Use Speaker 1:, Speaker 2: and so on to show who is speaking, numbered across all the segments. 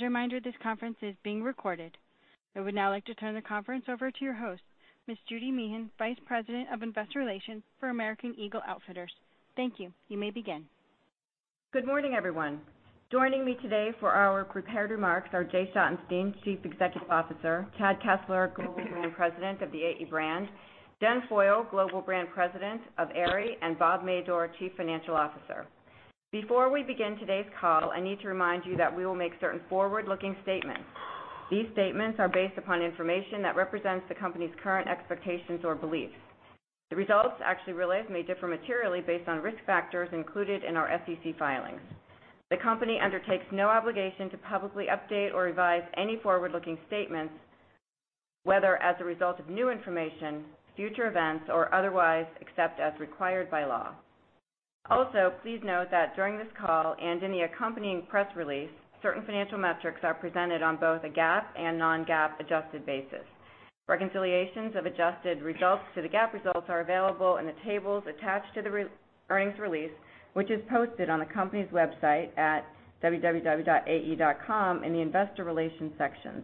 Speaker 1: As a reminder, this conference is being recorded. I would now like to turn the conference over to your host, Ms. Judy Meehan, Vice President of Investor Relations for American Eagle Outfitters. Thank you. You may begin.
Speaker 2: Good morning, everyone. Joining me today for our prepared remarks are Jay Schottenstein, Chief Executive Officer, Chad Kessler, Global Brand President of the AE Brand, Jennifer Foyle, Global Brand President of Aerie, and Bob Madore, Chief Financial Officer. Before we begin today's call, I need to remind you that we will make certain forward-looking statements. These statements are based upon information that represents the company's current expectations or beliefs. The results actually realized may differ materially based on risk factors included in our SEC filings. The company undertakes no obligation to publicly update or revise any forward-looking statements, whether as a result of new information, future events, or otherwise, except as required by law. Also, please note that during this call and in the accompanying press release, certain financial metrics are presented on both a GAAP and non-GAAP adjusted basis. Reconciliations of adjusted results to the GAAP results are available in the tables attached to the earnings release, which is posted on the company's website at www.ae.com in the investor relations section.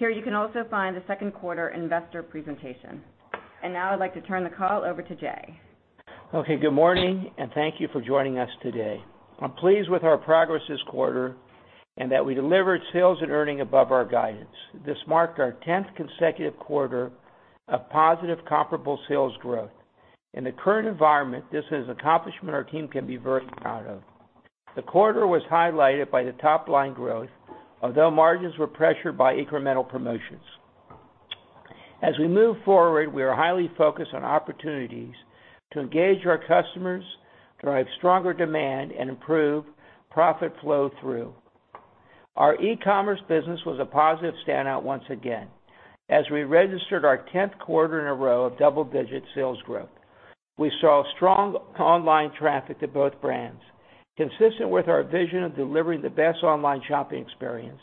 Speaker 2: Now I'd like to turn the call over to Jay.
Speaker 3: Okay, good morning, thank you for joining us today. I'm pleased with our progress this quarter and that we delivered sales and earnings above our guidance. This marked our 10th consecutive quarter of positive comparable sales growth. In the current environment, this is an accomplishment our team can be very proud of. The quarter was highlighted by the top-line growth, although margins were pressured by incremental promotions. As we move forward, we are highly focused on opportunities to engage our customers, drive stronger demand, and improve profit flow through. Our e-commerce business was a positive standout once again, as we registered our 10th quarter in a row of double-digit sales growth. We saw strong online traffic to both brands. Consistent with our vision of delivering the best online shopping experience,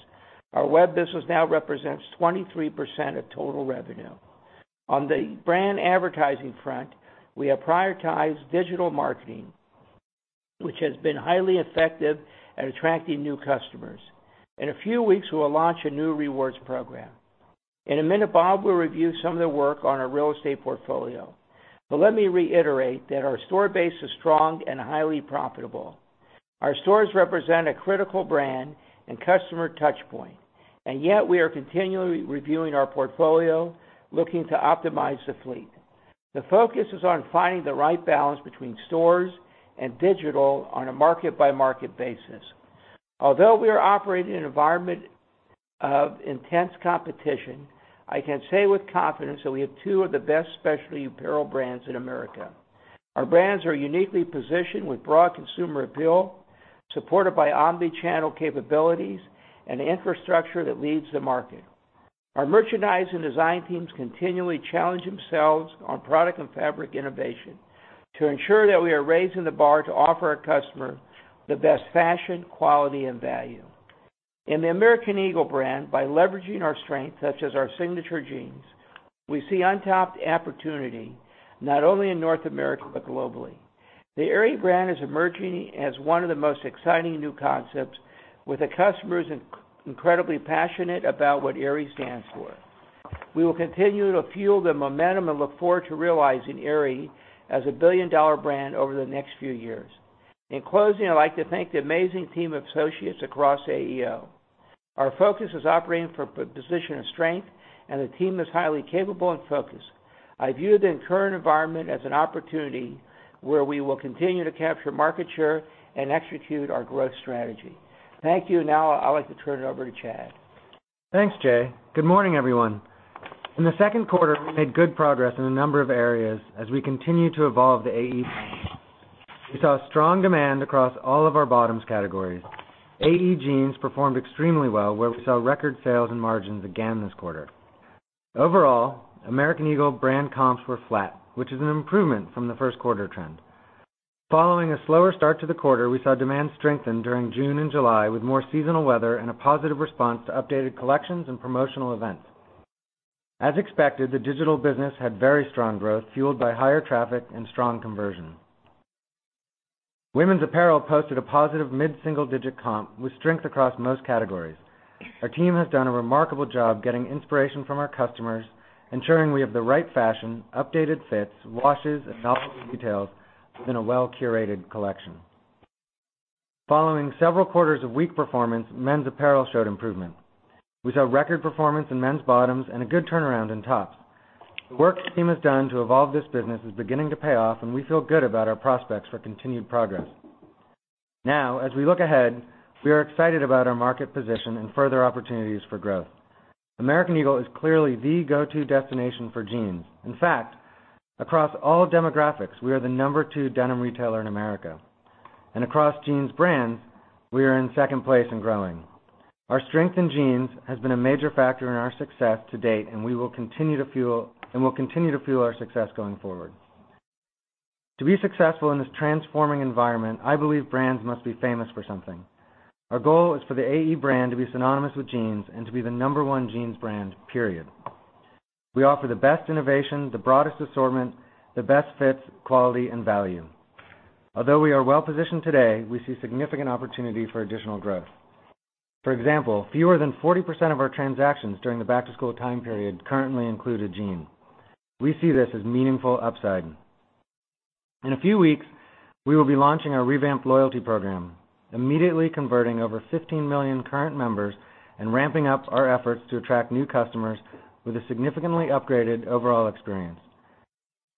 Speaker 3: our web business now represents 23% of total revenue. On the brand advertising front, we have prioritized digital marketing, which has been highly effective at attracting new customers. In a few weeks, we will launch a new rewards program. In a minute, Bob will review some of the work on our real estate portfolio. Let me reiterate that our store base is strong and highly profitable. Our stores represent a critical brand and customer touchpoint. Yet we are continually reviewing our portfolio, looking to optimize the fleet. The focus is on finding the right balance between stores and digital on a market-by-market basis. Although we are operating in an environment of intense competition, I can say with confidence that we have two of the best specialty apparel brands in America. Our brands are uniquely positioned with broad consumer appeal, supported by omni-channel capabilities and infrastructure that leads the market. Our merchandise and design teams continually challenge themselves on product and fabric innovation to ensure that we are raising the bar to offer our customer the best fashion, quality, and value. In the American Eagle brand, by leveraging our strengths, such as our signature jeans, we see untapped opportunity not only in North America, but globally. The Aerie brand is emerging as one of the most exciting new concepts, with the customers incredibly passionate about what Aerie stands for. We will continue to fuel the momentum and look forward to realizing Aerie as a billion-dollar brand over the next few years. In closing, I'd like to thank the amazing team of associates across AEO. Our focus is operating from a position of strength. The team is highly capable and focused. I view the current environment as an opportunity where we will continue to capture market share and execute our growth strategy. Thank you. Now I'd like to turn it over to Chad.
Speaker 4: Thanks, Jay. Good morning, everyone. In the second quarter, we made good progress in a number of areas as we continue to evolve the AE brand. We saw strong demand across all of our bottoms categories. AE jeans performed extremely well, where we saw record sales and margins again this quarter. Overall, American Eagle brand comps were flat, which is an improvement from the first quarter trend. Following a slower start to the quarter, we saw demand strengthen during June and July with more seasonal weather and a positive response to updated collections and promotional events. As expected, the digital business had very strong growth, fueled by higher traffic and strong conversion. Women's apparel posted a positive mid-single-digit comp with strength across most categories. Our team has done a remarkable job getting inspiration from our customers, ensuring we have the right fashion, updated fits, washes, and novelty details within a well-curated collection. Following several quarters of weak performance, men's apparel showed improvement. We saw record performance in men's bottoms and a good turnaround in tops. The work the team has done to evolve this business is beginning to pay off, and we feel good about our prospects for continued progress. As we look ahead, we are excited about our market position and further opportunities for growth. American Eagle is clearly the go-to destination for jeans. In fact, across all demographics, we are the number 2 denim retailer in America. Across jeans brands, we are in second place and growing. Our strength in jeans has been a major factor in our success to date, and will continue to fuel our success going forward. To be successful in this transforming environment, I believe brands must be famous for something. Our goal is for the AE brand to be synonymous with jeans and to be the number 1 jeans brand, period. We offer the best innovation, the broadest assortment, the best fits, quality, and value. Although we are well-positioned today, we see significant opportunity for additional growth. For example, fewer than 40% of our transactions during the back-to-school time period currently include a jean. We see this as meaningful upside. In a few weeks, we will be launching our revamped loyalty program, immediately converting over 15 million current members and ramping up our efforts to attract new customers with a significantly upgraded overall experience.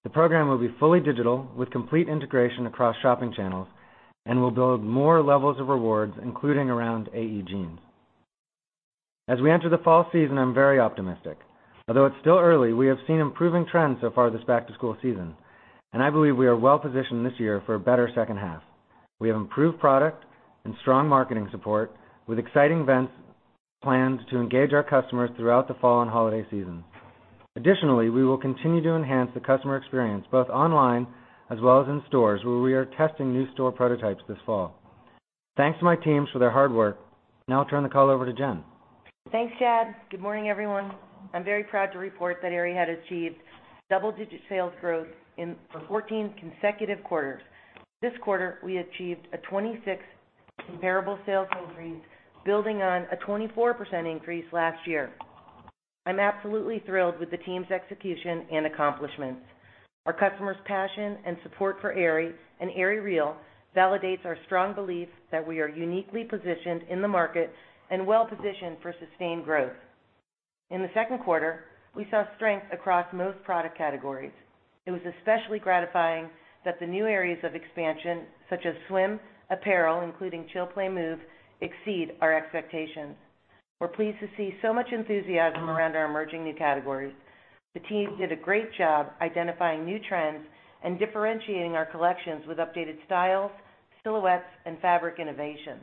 Speaker 4: The program will be fully digital with complete integration across shopping channels and will build more levels of rewards, including around AE jeans. As we enter the fall season, I'm very optimistic. Although it's still early, we have seen improving trends so far this back-to-school season, and I believe we are well-positioned this year for a better second half. We have improved product and strong marketing support with exciting events planned to engage our customers throughout the fall and holiday season. Additionally, we will continue to enhance the customer experience both online as well as in stores, where we are testing new store prototypes this fall. Thanks to my teams for their hard work. I'll turn the call over to Jen.
Speaker 5: Thanks, Chad. Good morning, everyone. I'm very proud to report that Aerie had achieved double-digit sales growth for 14 consecutive quarters. This quarter, we achieved a 26% comparable sales increase, building on a 24% increase last year. I'm absolutely thrilled with the team's execution and accomplishments. Our customers' passion and support for Aerie and Aerie REAL validates our strong belief that we are uniquely positioned in the market and well-positioned for sustained growth. In the second quarter, we saw strength across most product categories. It was especially gratifying that the new areas of expansion, such as swim, apparel, including Chill Play Move, exceed our expectations. We're pleased to see so much enthusiasm around our emerging new categories. The teams did a great job identifying new trends and differentiating our collections with updated styles, silhouettes, and fabric innovation.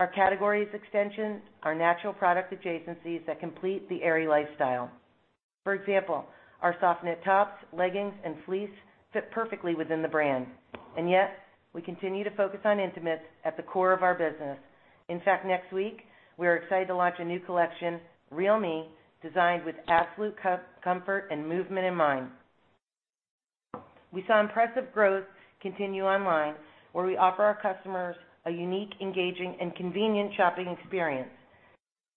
Speaker 5: Our categories extension are natural product adjacencies that complete the Aerie lifestyle. For example, our soft knit tops, leggings, and fleece fit perfectly within the brand, and yet we continue to focus on intimates at the core of our business. In fact, next week we are excited to launch a new collection, Real Me, designed with absolute comfort and movement in mind. We saw impressive growth continue online, where we offer our customers a unique, engaging, and convenient shopping experience.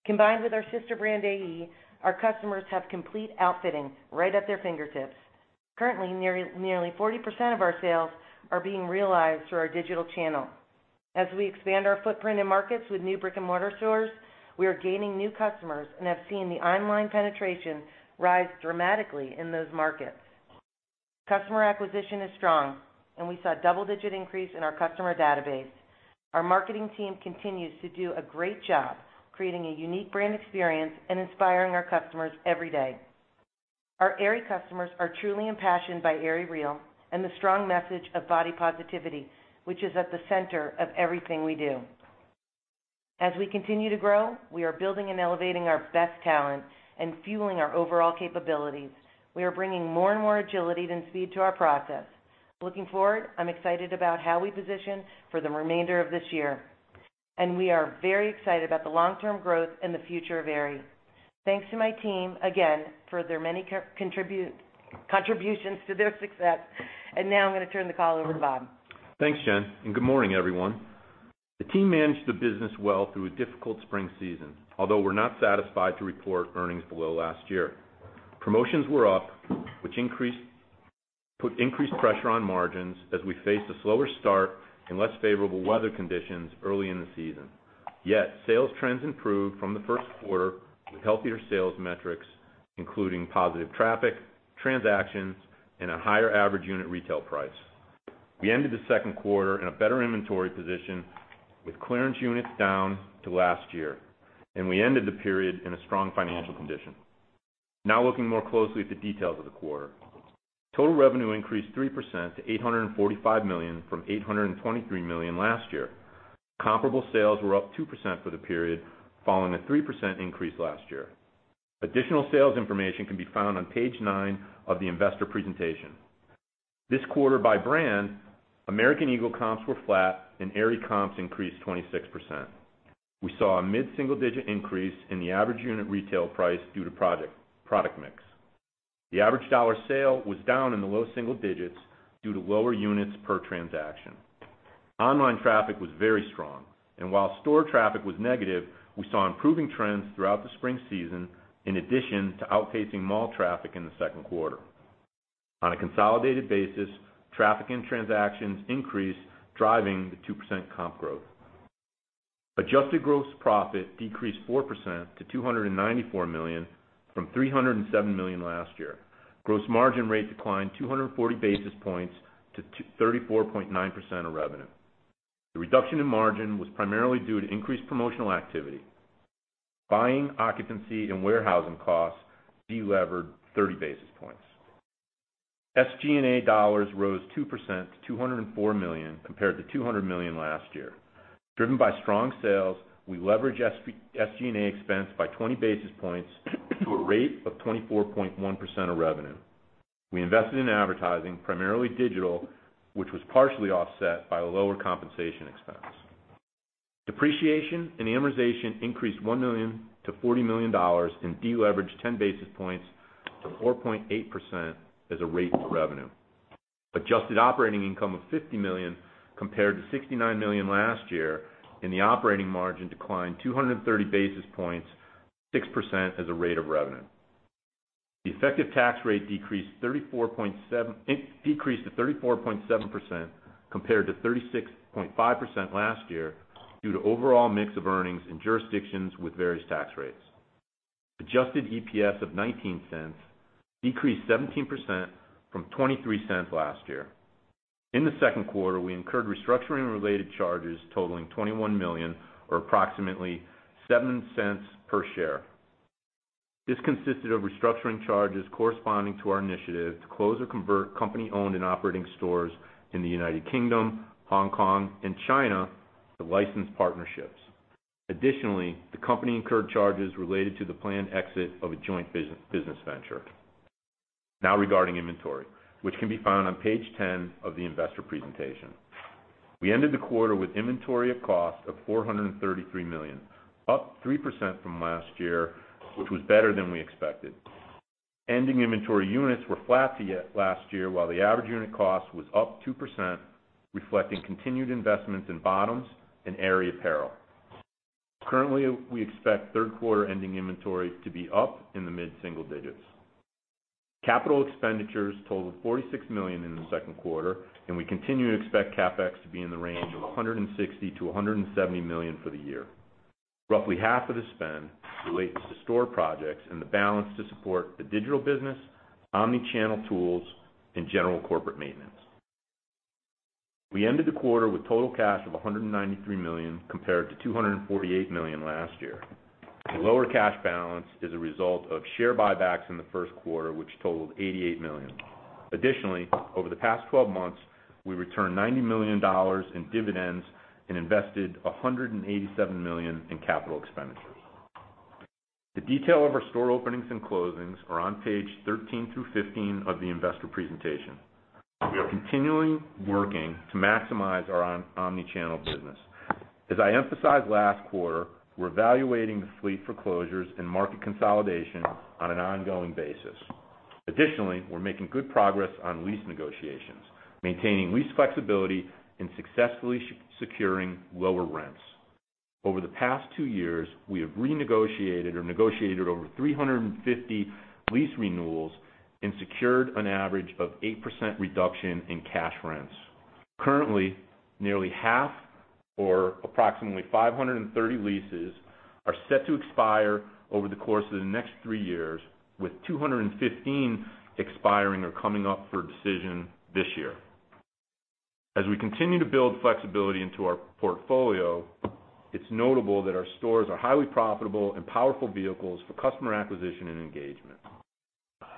Speaker 5: Combined with our sister brand, AE, our customers have complete outfitting right at their fingertips. Currently, nearly 40% of our sales are being realized through our digital channel. As we expand our footprint in markets with new brick-and-mortar stores, we are gaining new customers and have seen the online penetration rise dramatically in those markets. Customer acquisition is strong, and we saw double-digit increase in our customer database. Our marketing team continues to do a great job creating a unique brand experience and inspiring our customers every day. Our Aerie customers are truly impassioned by Aerie REAL and the strong message of body positivity, which is at the center of everything we do. As we continue to grow, we are building and elevating our best talent and fueling our overall capabilities. We are bringing more and more agility and speed to our process. Looking forward, I'm excited about how we position for the remainder of this year, and we are very excited about the long-term growth and the future of Aerie. Thanks to my team again for their many contributions to their success. Now I'm going to turn the call over to Bob.
Speaker 6: Thanks, Jen, good morning, everyone. The team managed the business well through a difficult spring season, although we're not satisfied to report earnings below last year. Promotions were up, which put increased pressure on margins as we faced a slower start and less favorable weather conditions early in the season. Sales trends improved from the first quarter with healthier sales metrics, including positive traffic, transactions, and a higher average unit retail price. We ended the second quarter in a better inventory position with clearance units down to last year, and we ended the period in a strong financial condition. Looking more closely at the details of the quarter. Total revenue increased 3% to $845 million from $823 million last year. Comparable sales were up 2% for the period, following a 3% increase last year. Additional sales information can be found on page nine of the investor presentation. This quarter by brand, American Eagle comps were flat and Aerie comps increased 26%. We saw a mid-single-digit increase in the average unit retail price due to product mix. The average dollar sale was down in the low single digits due to lower units per transaction. Online traffic was very strong, and while store traffic was negative, we saw improving trends throughout the spring season, in addition to outpacing mall traffic in the second quarter. On a consolidated basis, traffic and transactions increased, driving the 2% comp growth. Adjusted gross profit decreased 4% to $294 million from $307 million last year. Gross margin rate declined 240 basis points to 34.9% of revenue. The reduction in margin was primarily due to increased promotional activity. Buying occupancy and warehousing costs delevered 30 basis points. SG&A dollars rose 2% to $204 million compared to $200 million last year. Driven by strong sales, we leveraged SG&A expense by 20 basis points to a rate of 24.1% of revenue. We invested in advertising, primarily digital, which was partially offset by a lower compensation expense. Depreciation and amortization increased $1 million to $40 million and deleveraged 10 basis points to 4.8% as a rate to revenue. Adjusted operating income of $50 million compared to $69 million last year, and the operating margin declined 230 basis points, 6% as a rate of revenue. The effective tax rate decreased to 34.7% compared to 36.5% last year, due to overall mix of earnings in jurisdictions with various tax rates. Adjusted EPS of $0.19 decreased 17% from $0.23 last year. In the second quarter, we incurred restructuring-related charges totaling $21 million or approximately $0.07 per share. This consisted of restructuring charges corresponding to our initiative to close or convert company-owned and operating stores in the U.K., Hong Kong, and China to licensed partnerships. Additionally, the company incurred charges related to the planned exit of a joint business venture. Regarding inventory, which can be found on page 10 of the investor presentation. We ended the quarter with inventory of cost of $433 million, up 3% from last year, which was better than we expected. Ending inventory units were flat to last year, while the average unit cost was up 2%, reflecting continued investments in bottoms and Aerie apparel. Currently, we expect third quarter ending inventory to be up in the mid-single digits. Capital expenditures totaled $46 million in the second quarter, and we continue to expect CapEx to be in the range of $160 million-$170 million for the year. Roughly half of the spend relates to store projects and the balance to support the digital business, omni-channel tools, and general corporate maintenance. We ended the quarter with total cash of $193 million, compared to $248 million last year. The lower cash balance is a result of share buybacks in the first quarter, which totaled $88 million. Additionally, over the past 12 months, we returned $90 million in dividends and invested $187 million in capital expenditures. The detail of our store openings and closings are on page 13 through 15 of the investor presentation. We are continually working to maximize our omni-channel business. As I emphasized last quarter, we're evaluating the fleet for closures and market consolidation on an ongoing basis. Additionally, we're making good progress on lease negotiations, maintaining lease flexibility, and successfully securing lower rents. Over the past two years, we have renegotiated or negotiated over 350 lease renewals and secured an average of 8% reduction in cash rents. Currently, nearly half or approximately 530 leases are set to expire over the course of the next three years, with 215 expiring or coming up for decision this year. As we continue to build flexibility into our portfolio, it's notable that our stores are highly profitable and powerful vehicles for customer acquisition and engagement.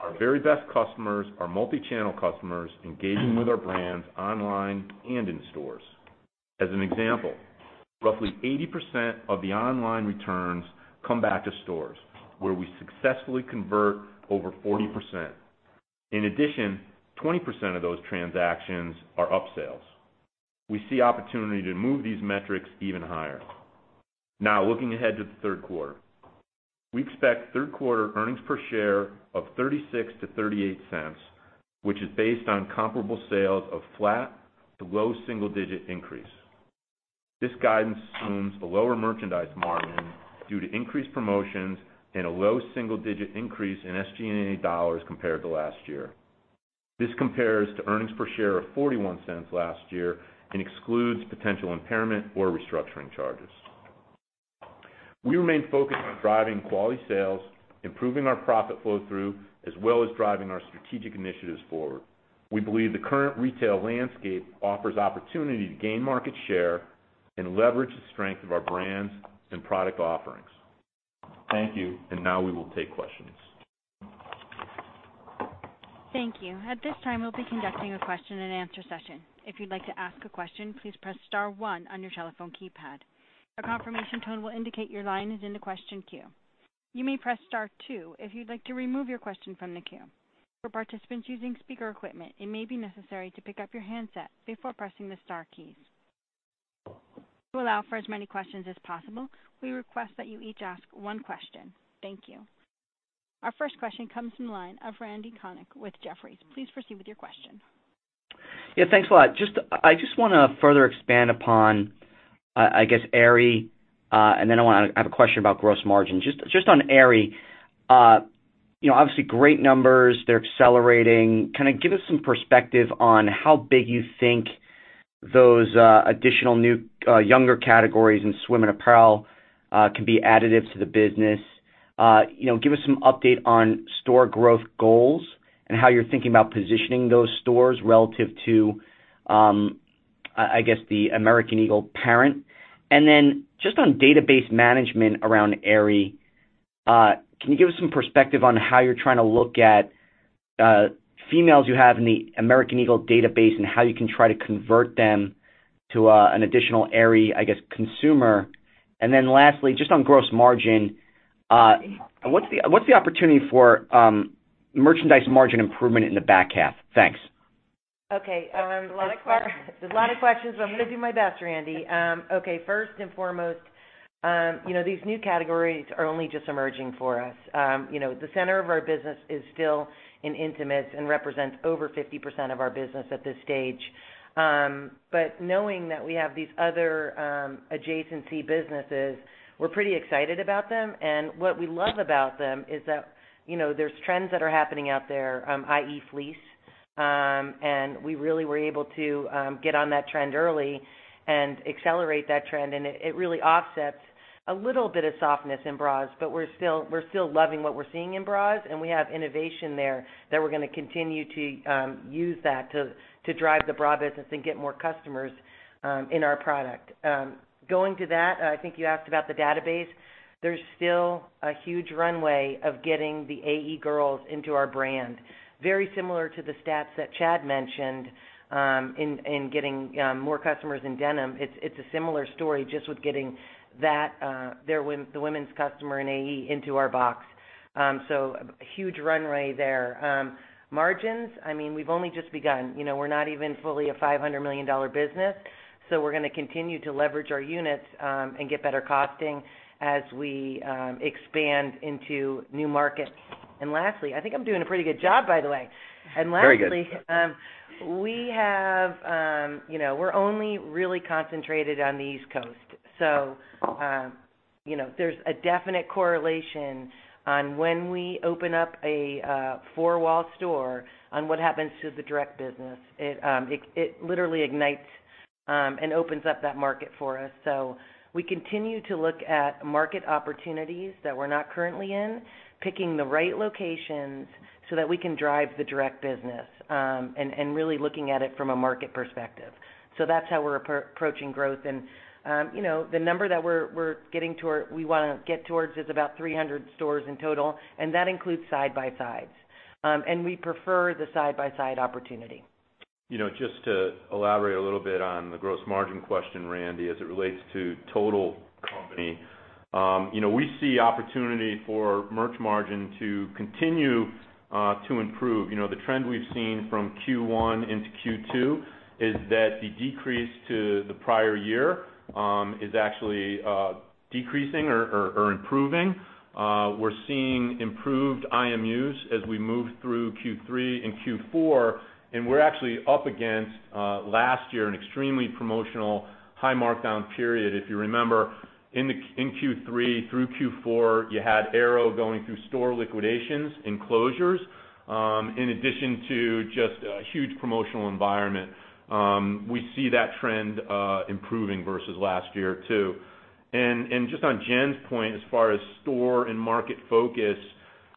Speaker 6: Our very best customers are multi-channel customers engaging with our brands online and in stores. As an example, roughly 80% of the online returns come back to stores, where we successfully convert over 40%. In addition, 20% of those transactions are upsales. We see opportunity to move these metrics even higher. Looking ahead to the third quarter. We expect third quarter earnings per share of $0.36 to $0.38, which is based on comparable sales of flat to low single-digit increase. This guidance assumes a lower merchandise margin due to increased promotions and a low single-digit increase in SG&A dollars compared to last year. This compares to earnings per share of $0.41 last year and excludes potential impairment or restructuring charges. We remain focused on driving quality sales, improving our profit flow-through, as well as driving our strategic initiatives forward. We believe the current retail landscape offers opportunity to gain market share and leverage the strength of our brands and product offerings. Thank you. Now we will take questions.
Speaker 1: Thank you. At this time, we'll be conducting a question and answer session. If you'd like to ask a question, please press star one on your telephone keypad. A confirmation tone will indicate your line is in the question queue. You may press star two if you'd like to remove your question from the queue. For participants using speaker equipment, it may be necessary to pick up your handset before pressing the star keys. To allow for as many questions as possible, we request that you each ask one question. Thank you. Our first question comes from the line of Randy Konik with Jefferies. Please proceed with your question.
Speaker 7: Thanks a lot. I just want to further expand upon, I guess, Aerie. Then I have a question about gross margin. Just on Aerie. Obviously great numbers. They're accelerating. Can you give us some perspective on how big you think those additional new younger categories in swim and apparel can be additive to the business? Give us some update on store growth goals and how you're thinking about positioning those stores relative to, I guess, the American Eagle parent. Then just on database management around Aerie, can you give us some perspective on how you're trying to look at females you have in the American Eagle database and how you can try to convert them to an additional Aerie, I guess, consumer? Then lastly, just on gross margin, what's the opportunity for merchandise margin improvement in the back half? Thanks.
Speaker 5: Okay. A lot of questions. I'm going to do my best, Randy. Okay. First and foremost, these new categories are only just emerging for us. The center of our business is still in intimates and represents over 50% of our business at this stage. Knowing that we have these other adjacency businesses, we're pretty excited about them. What we love about them is that there's trends that are happening out there, i.e. fleece. We really were able to get on that trend early and accelerate that trend, and it really offsets a little bit of softness in bras. We're still loving what we're seeing in bras, and we have innovation there that we're going to continue to use that to drive the bra business and get more customers in our product. Going to that, I think you asked about the database. There's still a huge runway of getting the AE girls into our brand. Very similar to the stats that Chad mentioned in getting more customers in denim. It's a similar story just with getting the women's customer in AE into our box. A huge runway there. Margins, we've only just begun. We're not even fully a $500 million business. We're going to continue to leverage our units, and get better costing as we expand into new markets. Lastly, I think I'm doing a pretty good job, by the way.
Speaker 6: Very good.
Speaker 5: Lastly, we're only really concentrated on the East Coast. There's a definite correlation on when we open up a four-wall store on what happens to the direct business. It literally ignites and opens up that market for us. We continue to look at market opportunities that we're not currently in, picking the right locations so that we can drive the direct business, and really looking at it from a market perspective. That's how we're approaching growth. The number that we want to get towards is about 300 stores in total, and that includes side-by-sides. We prefer the side-by-side opportunity.
Speaker 6: Just to elaborate a little bit on the gross margin question, Randy, as it relates to the total company. We see opportunity for merch margin to continue to improve. The trend we've seen from Q1 into Q2 is that the decrease to the prior year is actually decreasing or improving. We're seeing improved IMUs as we move through Q3 and Q4, and we're actually up against last year, an extremely promotional high markdown period. If you remember, in Q3 through Q4, you had Aero going through store liquidations and closures, in addition to just a huge promotional environment. We see that trend improving versus last year, too. Just on Jen's point as far as store and market focus,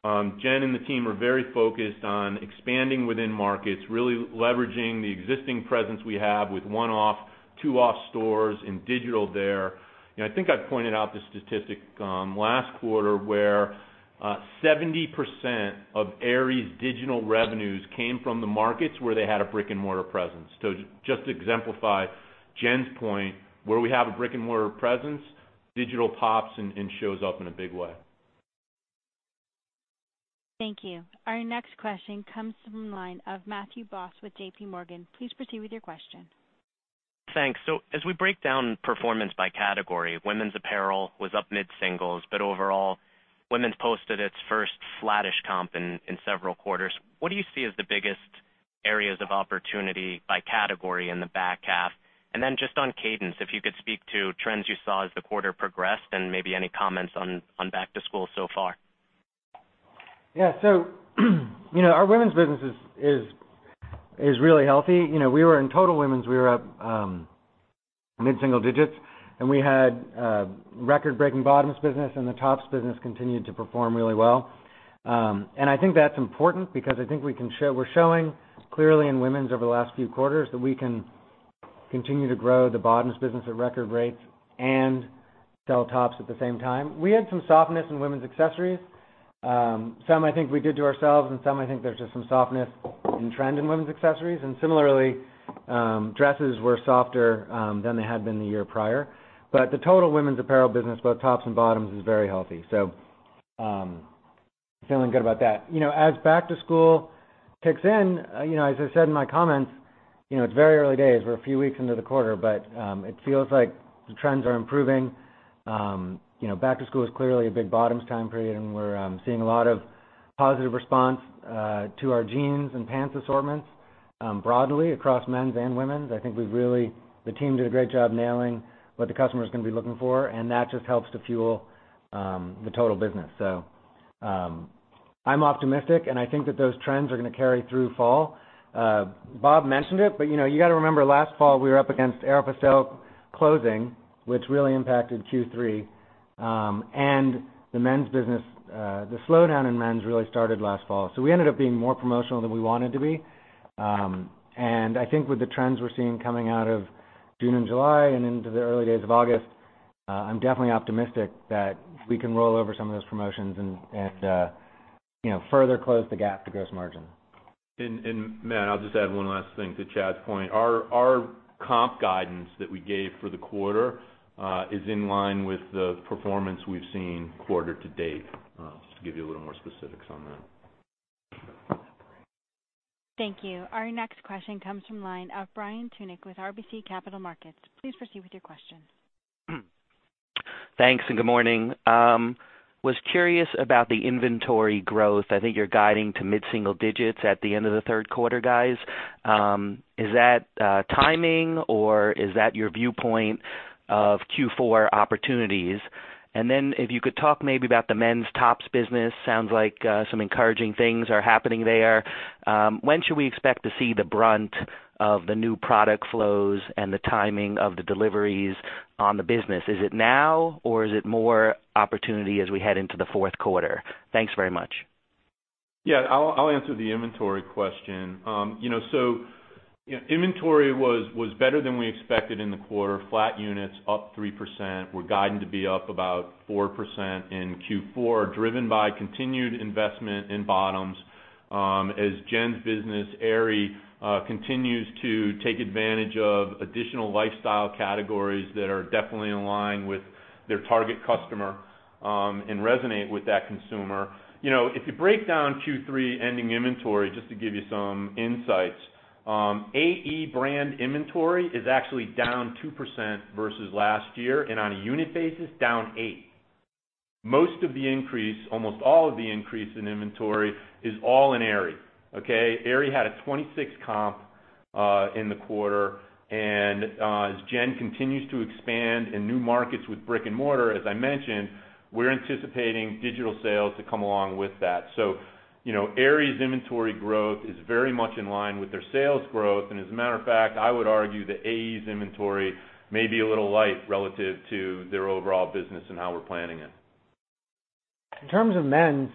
Speaker 6: Jen and the team are very focused on expanding within markets, really leveraging the existing presence we have with one-off, two-off stores and digital there. I think I pointed out the statistic last quarter where 70% of Aerie's digital revenues came from the markets where they had a brick-and-mortar presence. Just to exemplify Jen's point, where we have a brick-and-mortar presence, digital pops and shows up in a big way.
Speaker 1: Thank you. Our next question comes from the line of Matthew Boss with JPMorgan. Please proceed with your question.
Speaker 8: Thanks. As we break down performance by category, women's apparel was up mid-singles. Overall, women's posted its first flattish comp in several quarters. What do you see as the biggest areas of opportunity by category in the back half? Then just on cadence, if you could speak to trends you saw as the quarter progressed and maybe any comments on back to school so far.
Speaker 4: Yeah. Our women's business is really healthy. In total women's, we were up mid-single digits, and we had a record-breaking bottoms business, and the tops business continued to perform really well. I think that's important because I think we're showing clearly in women's over the last few quarters that we can continue to grow the bottoms business at record rates and sell tops at the same time. We had some softness in women's accessories. Some I think we did to ourselves, and some I think there's just some softness in trend in women's accessories. Similarly, dresses were softer than they had been the year prior. The total women's apparel business, both tops and bottoms, is very healthy. Feeling good about that. As back to school kicks in, as I said in my comments, it's very early days. We're a few weeks into the quarter, but it feels like the trends are improving. Back to school is clearly a big bottoms time period, and we're seeing a lot of positive response to our jeans and pants assortments broadly across men's and women's. I think the team did a great job nailing what the customer's going to be looking for, and that just helps to fuel the total business. I'm optimistic, and I think that those trends are going to carry through fall. Bob Madore mentioned it, but you got to remember last fall, we were up against Aéropostale closing, which really impacted Q3. The men's business, the slowdown in men's really started last fall. We ended up being more promotional than we wanted to be. I think with the trends we're seeing coming out of June and July and into the early days of August, I'm definitely optimistic that we can roll over some of those promotions and further close the gap to gross margin.
Speaker 6: Matt, I'll just add one last thing to Chad's point. Our comp guidance that we gave for the quarter is in line with the performance we've seen quarter to date. Just to give you a little more specifics on that.
Speaker 1: Thank you. Our next question comes from line of Brian Tunick with RBC Capital Markets. Please proceed with your question.
Speaker 9: Thanks. Good morning. Was curious about the inventory growth. I think you're guiding to mid-single digits at the end of the third quarter, guys. Is that timing or is that your viewpoint of Q4 opportunities? If you could talk maybe about the men's tops business. Sounds like some encouraging things are happening there. When should we expect to see the brunt of the new product flows and the timing of the deliveries on the business? Is it now or is it more opportunity as we head into the fourth quarter? Thanks very much.
Speaker 6: Yeah. I'll answer the inventory question. Inventory was better than we expected in the quarter. Flat units up 3%. We're guiding to be up about 4% in Q4, driven by continued investment in bottoms as Jen's business, Aerie, continues to take advantage of additional lifestyle categories that are definitely in line with their target customer, and resonate with that consumer. If you break down Q3 ending inventory, just to give you some insights, AE brand inventory is actually down 2% versus last year, and on a unit basis, down eight. Most of the increase, almost all of the increase in inventory is all in Aerie. Okay? Aerie had a 26 comp in the quarter, and as Jen continues to expand in new markets with brick and mortar, as I mentioned, we're anticipating digital sales to come along with that. Aerie's inventory growth is very much in line with their sales growth. As a matter of fact, I would argue that AE's inventory may be a little light relative to their overall business and how we're planning it.
Speaker 4: In terms of men's,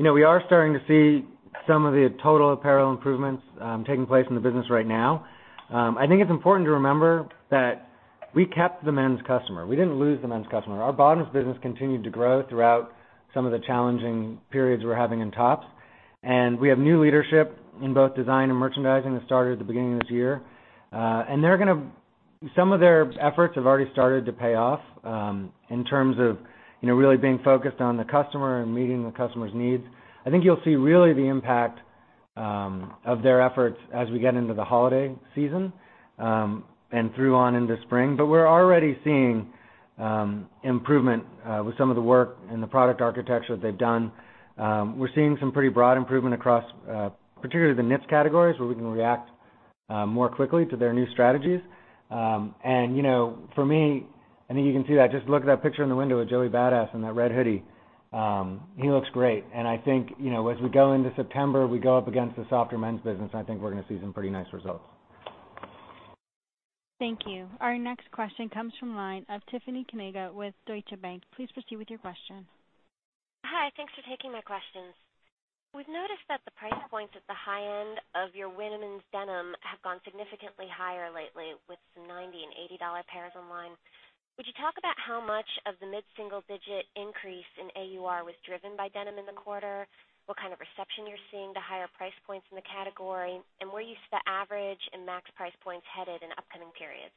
Speaker 4: we are starting to see some of the total apparel improvements taking place in the business right now. I think it's important to remember that we kept the men's customer. We didn't lose the men's customer. Our bottoms business continued to grow throughout some of the challenging periods we're having in tops. We have new leadership in both design and merchandising that started at the beginning of this year. Some of their efforts have already started to pay off, in terms of really being focused on the customer and meeting the customer's needs. I think you'll see really the impact of their efforts as we get into the holiday season, and through on into spring. We're already seeing improvement with some of the work and the product architecture that they've done. We're seeing some pretty broad improvement across particularly the knits categories, where we can react more quickly to their new strategies. For me, I think you can see that. Just look at that picture in the window of Joey Bada$$ in that red hoodie. He looks great. I think, as we go into September, we go up against the softer men's business, and I think we're going to see some pretty nice results.
Speaker 1: Thank you. Our next question comes from the line of Tiffany Kanaga with Deutsche Bank. Please proceed with your question.
Speaker 10: Hi. Thanks for taking my questions. We've noticed that the price points at the high end of your women's denim have gone significantly higher lately with some $90 and $80 pairs online. Would you talk about how much of the mid-single digit increase in AUR was driven by denim in the quarter, what kind of reception you're seeing to higher price points in the category, and where you see the average and max price points headed in upcoming periods?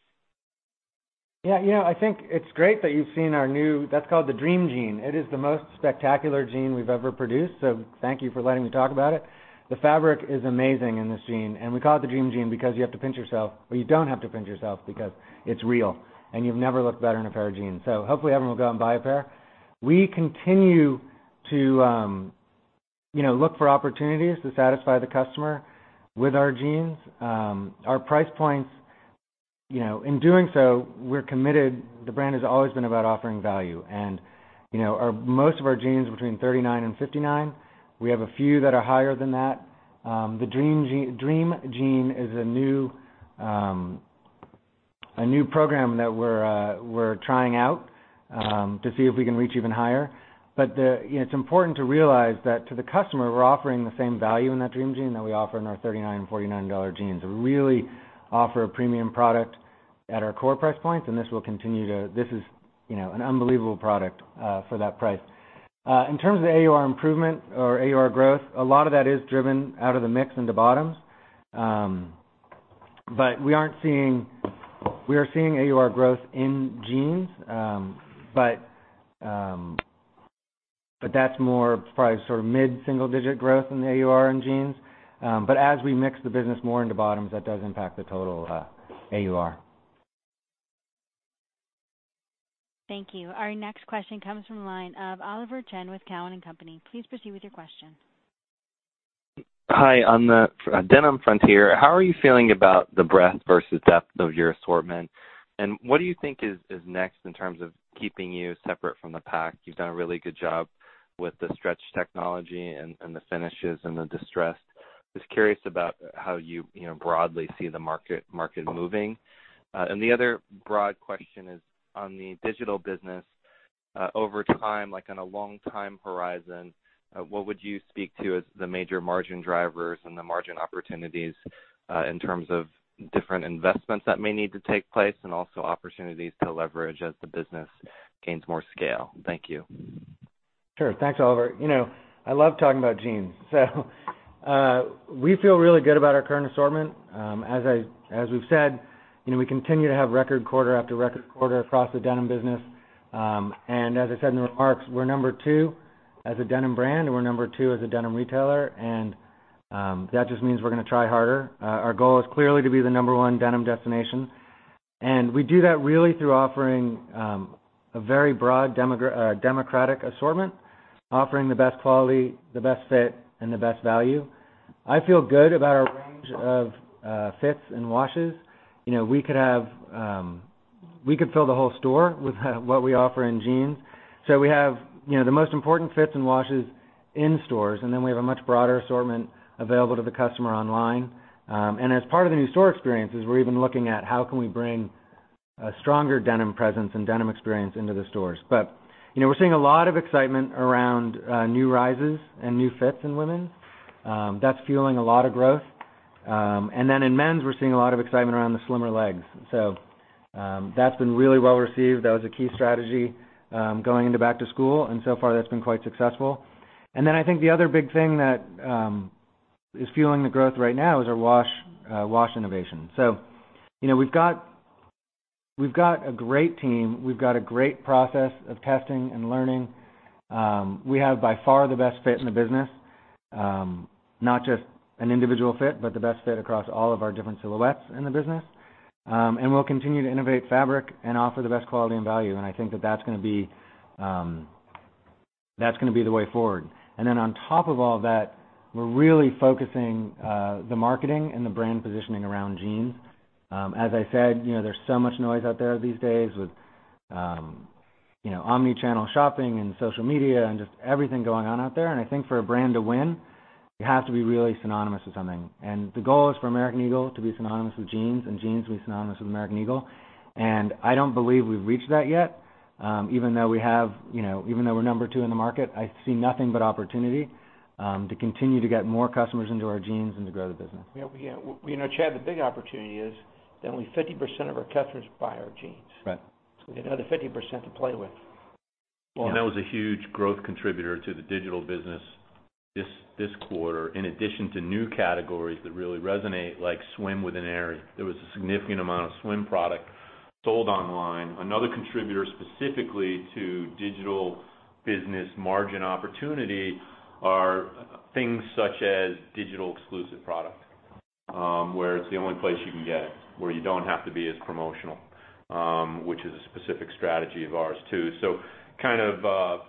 Speaker 4: Yeah. I think it's great that you've seen our new. That's called the Dream Jean. It is the most spectacular jean we've ever produced. Thank you for letting me talk about it. The fabric is amazing in this jean. We call it the Dream Jean because you have to pinch yourself, or you don't have to pinch yourself because it's real and you've never looked better in a pair of jeans. Hopefully everyone will go out and buy a pair. We continue to look for opportunities to satisfy the customer with our jeans. Our price points, in doing so, we're committed. The brand has always been about offering value. Most of our jeans are between $39 and $59. We have a few that are higher than that. The Dream Jean is a new program that we're trying out to see if we can reach even higher. But it is important to realize that to the customer, we are offering the same value in that Dream Jean that we offer in our $39 and $49 jeans. We really offer a premium product at our core price points, and this will continue to. This is an unbelievable product for that price. In terms of AUR improvement or AUR growth, a lot of that is driven out of the mix into bottoms. But we are seeing AUR growth in jeans. But that is more probably sort of mid-single digit growth in the AUR in jeans. But as we mix the business more into bottoms, that does impact the total AUR.
Speaker 1: Thank you. Our next question comes from the line of Oliver Chen with Cowen and Company. Please proceed with your question.
Speaker 11: Hi. On the denim frontier, how are you feeling about the breadth versus depth of your assortment, and what do you think is next in terms of keeping you separate from the pack? You have done a really good job with the stretch technology and the finishes and the distressed. Just curious about how you broadly see the market moving. And the other broad question is on the digital business. Over time, like on a long time horizon, what would you speak to as the major margin drivers and the margin opportunities, in terms of different investments that may need to take place and also opportunities to leverage as the business gains more scale? Thank you.
Speaker 4: Sure. Thanks, Oliver. I love talking about jeans. So we feel really good about our current assortment. As we have said, we continue to have record quarter after record quarter across the denim business. And as I said in the remarks, we are number two as a denim brand, and we are number two as a denim retailer. And that just means we are going to try harder. Our goal is clearly to be the number one denim destination. And we do that really through offering a very broad democratic assortment, offering the best quality, the best fit, and the best value. I feel good about our range of fits and washes. We could fill the whole store with what we offer in jeans. So we have the most important fits and washes in stores, and then we have a much broader assortment available to the customer online. As part of the new store experiences, we're even looking at how can we bring a stronger denim presence and denim experience into the stores. We're seeing a lot of excitement around new rises and new fits in women. That's fueling a lot of growth. In men's, we're seeing a lot of excitement around the slimmer legs. That's been really well-received. That was a key strategy, going into back to school, and so far that's been quite successful. I think the other big thing that is fueling the growth right now is our wash innovation. We've got a great team. We've got a great process of testing and learning. We have by far the best fit in the business, not just an individual fit, but the best fit across all of our different silhouettes in the business. We'll continue to innovate fabric and offer the best quality and value. I think that's going to be the way forward. On top of all that, we're really focusing the marketing and the brand positioning around jeans. As I said, there's so much noise out there these days with omni-channel shopping and social media and just everything going on out there. I think for a brand to win, it has to be really synonymous with something. The goal is for American Eagle to be synonymous with jeans and jeans to be synonymous with American Eagle. I don't believe we've reached that yet. Even though we're number two in the market, I see nothing but opportunity, to continue to get more customers into our jeans and to grow the business.
Speaker 3: Yeah. Chad, the big opportunity is that only 50% of our customers buy our jeans.
Speaker 4: Right.
Speaker 3: We got another 50% to play with.
Speaker 4: Yeah.
Speaker 6: That was a huge growth contributor to the digital business this quarter, in addition to new categories that really resonate, like swim within Aerie. There was a significant amount of swim product sold online. Another contributor specifically to digital business margin opportunity are things such as digital exclusive product, where it's the only place you can get it, where you don't have to be as promotional, which is a specific strategy of ours, too.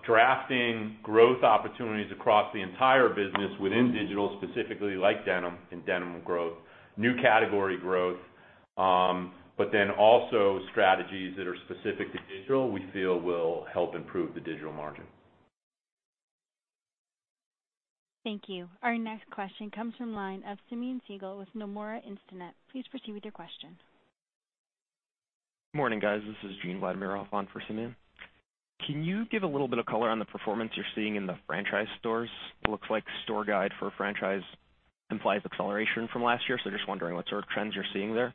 Speaker 6: Drafting growth opportunities across the entire business within digital, specifically like denim and denim growth, new category growth. Also strategies that are specific to digital, we feel will help improve the digital margin.
Speaker 1: Thank you. Our next question comes from the line of Simeon Siegel with Nomura Instinet. Please proceed with your question.
Speaker 12: Morning, guys, this is Gene Vladimirov on for Simeon. Can you give a little bit of color on the performance you're seeing in the franchise stores? It looks like store guide for franchise implies acceleration from last year. Just wondering what sort of trends you're seeing there.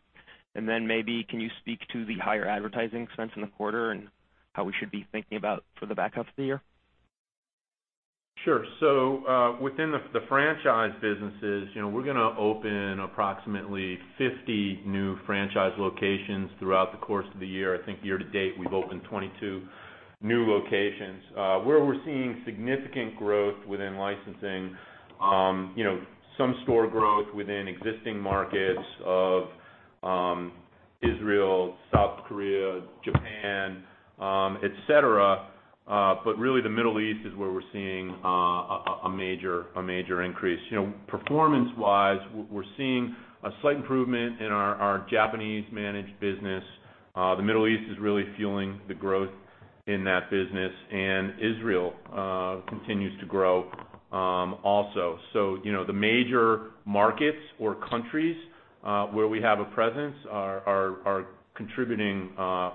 Speaker 12: Maybe can you speak to the higher advertising expense in the quarter and how we should be thinking about for the back half of the year?
Speaker 6: Sure. Within the franchise businesses, we're going to open approximately 50 new franchise locations throughout the course of the year. I think year to date, we've opened 22 new locations. Where we're seeing significant growth within licensing, some store growth within existing markets of Israel, South Korea, Japan, et cetera. Really the Middle East is where we're seeing a major increase. Performance-wise, we're seeing a slight improvement in our Japanese-managed business. The Middle East is really fueling the growth in that business, and Israel continues to grow also. The major markets or countries where we have a presence are contributing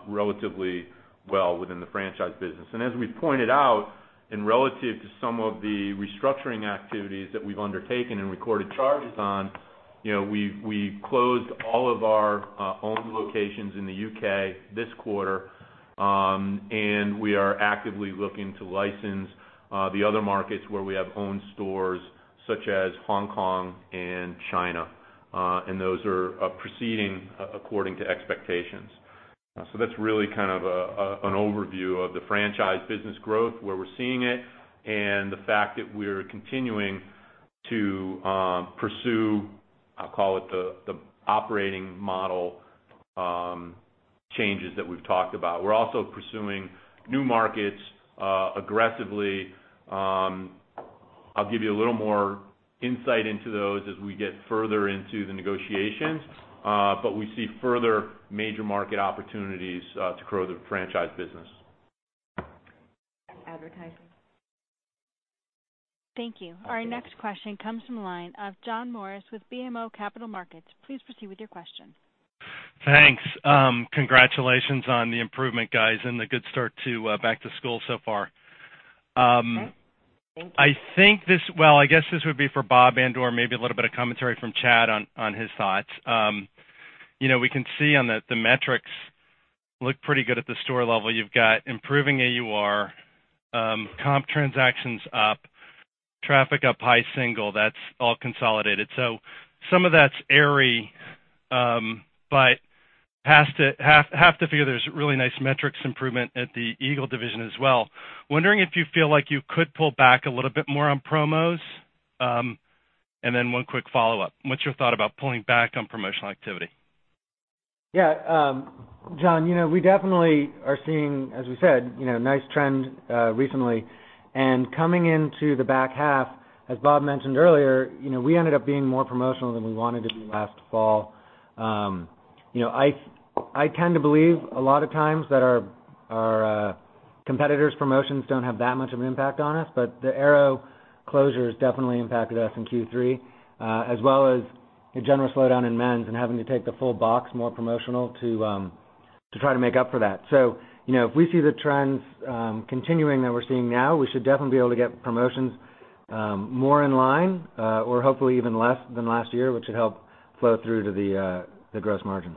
Speaker 6: relatively well within the franchise business. As we pointed out, in relative to some of the restructuring activities that we've undertaken and recorded charges on, we closed all of our own locations in the U.K. this quarter. We are actively looking to license the other markets where we have owned stores such as Hong Kong and China. Those are proceeding according to expectations. That's really an overview of the franchise business growth, where we're seeing it, and the fact that we're continuing to pursue, I'll call it the operating model changes that we've talked about. We're also pursuing new markets aggressively. I'll give you a little more insight into those as we get further into the negotiations. We see further major market opportunities to grow the franchise business.
Speaker 1: Thank you. Our next question comes from the line of John Morris with BMO Capital Markets. Please proceed with your question.
Speaker 13: Thanks. Congratulations on the improvement, guys, and the good start to back to school so far.
Speaker 6: Thank you.
Speaker 13: Well, I guess this would be for Bob and/or maybe a little bit of commentary from Chad on his thoughts. We can see on the metrics look pretty good at the store level. You've got improving AUR, comp transactions up, traffic up high single. That's all consolidated. Some of that's Aerie, but have to figure there's really nice metrics improvement at the Eagle division as well. Wondering if you feel like you could pull back a little bit more on promos. One quick follow-up. What's your thought about pulling back on promotional activity?
Speaker 4: Yeah. John, we definitely are seeing, as we said, nice trend recently. Coming into the back half, as Bob mentioned earlier, we ended up being more promotional than we wanted to be last fall. I tend to believe a lot of times that our competitors' promotions don't have that much of an impact on us. The Aero closure has definitely impacted us in Q3. As well as the general slowdown in men's and having to take the full box more promotional to try to make up for that. If we see the trends continuing that we're seeing now, we should definitely be able to get promotions more in line or hopefully even less than last year, which would help flow through to the gross margin.